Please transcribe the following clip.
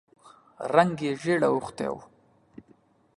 رنګ یې ژېړ اوښتی و.